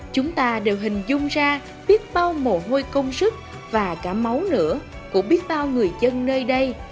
chúng ta đều hình dung ra biết bao mồ hôi công sức và cả máu lửa của biết bao người dân nơi đây